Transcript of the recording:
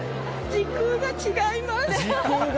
時空が違います。